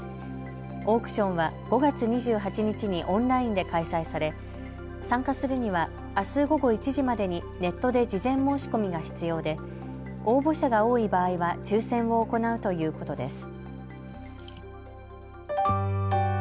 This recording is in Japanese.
オークションは５月２８日にオンラインで開催され参加するにはあす午後１時までにネットで事前申し込みが必要で応募者が多い場合は抽せんを行うということです。